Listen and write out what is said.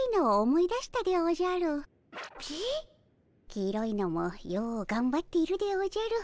黄色いのもようがんばっているでおじゃる。